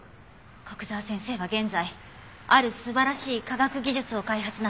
古久沢先生は現在ある素晴らしい科学技術を開発なさっています。